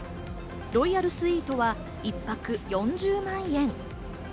ロイヤルスイートは１泊４０万円。